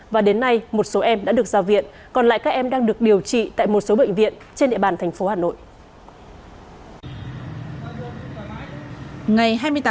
và đến nay một số em đã được ra viện còn lại các em đang được điều trị tại một số bệnh viện trên địa bàn thành phố hà nội